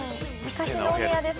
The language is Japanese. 昔のお部屋です